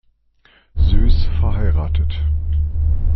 Süß, verheiratet.